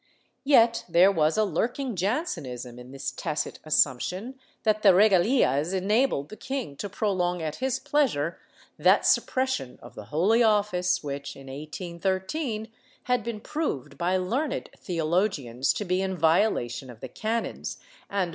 ^ Yet there was a lurking Jansenism in this tacit assumption that the regalias enabled the king to prolong at his pleasure that sup pression of the Holy Office which, in 1813, had been proved by learned theologians to be in violation of the canons and of the 1 Martinez de la Rosa, I, 422.